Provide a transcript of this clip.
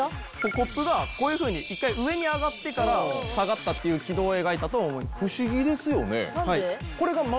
コップがこういうふうに一回上に上がってから下がったっていう軌道を描いたと不思議ですよね何で？